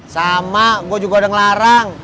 sama gue juga udah ngelarang